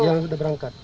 yang udah berangkat